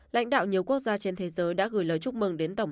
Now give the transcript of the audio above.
lãnh đạo nhiều quốc gia trên thế giới đã gửi lời chúc mừng đến tổng